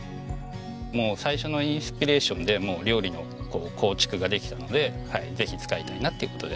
もう最初のインスピレーションで料理の構築ができたのでぜひ使いたいなって事で。